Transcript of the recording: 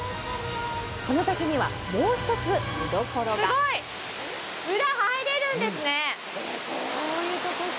この滝には、もう一つ見どころがすごい、裏入れるんですね。